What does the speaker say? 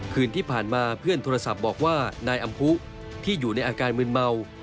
คืนที่ผ่านมาเพื่อนโทรศัพท์บอกว่านายอำพุที่อยู่ในอาการมืนเมา